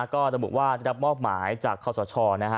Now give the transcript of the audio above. ก็ดับบุว่าได้รับมอบหมายจากเขาสช